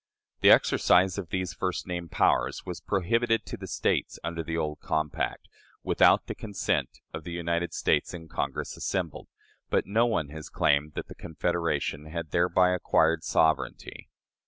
The exercise of these first named powers was prohibited to the States under the old compact, "without the consent of the United States in Congress assembled," but no one has claimed that the Confederation had thereby acquired sovereignty.